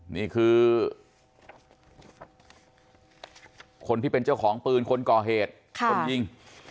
นี่คือคนที่เป็นเจ้าของปืนคนก่อเหตุคนยิง